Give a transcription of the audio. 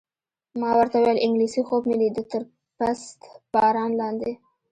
ما ورته وویل: انګلېسي خوب مې لیده، تر پست باران لاندې.